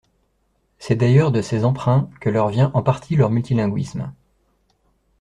C'est d'ailleurs de ces emprunts que leur vient en partie leur multilinguisme.